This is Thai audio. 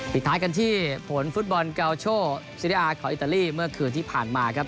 ปิดท้ายกันที่ผลฟุตบอลเกาโชซิริอาของอิตาลีเมื่อคืนที่ผ่านมาครับ